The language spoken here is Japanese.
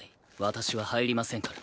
私は入りませんから。